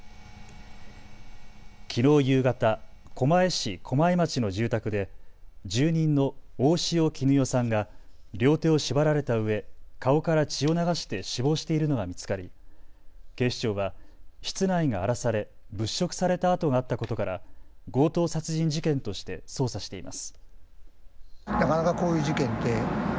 きのう夕方、狛江市駒井町の住宅で住人の大塩衣與さんが両手を縛られたうえ、顔から血を流して死亡しているのが見つかり警視庁は室内が荒らされ物色された跡があったことから強盗殺人事件として捜査しています。